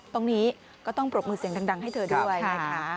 ตรงนี้ก็ต้องปรบมือเสียงดังให้เธอด้วยนะคะ